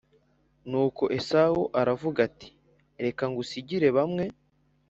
Nuko Esawu aravuga ati reka ngusigire bamwe